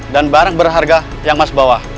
dan barang berharga yang mas bawa